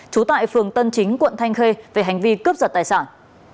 trú tại phường tân chính quận thanh khê về hành vi cướp giật tài sản